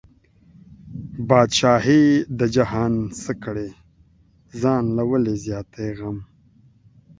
بادشاهي د جهان څه کړې، ځان له ولې زیاتی غم